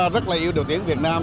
rất là yêu đội tuyển việt nam